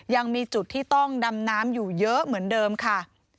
ยังมีจุดที่ต้องดำน้ำอยู่เยอะเหมือนเดิมค่ะ